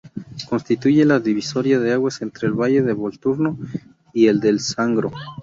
Constituye la divisoria de aguas entre el valle del Volturno y el del Sangro.